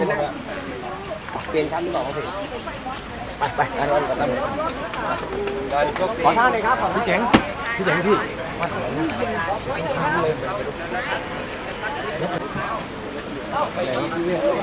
อ้าวไปไหนอีกไปไหนไอ้ลูก